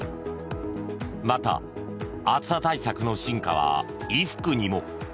また、暑さ対策の進化は衣服にも。